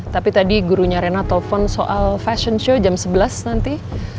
tapi tadi gurunya rena telepon soal fashion show jam sebelas nanti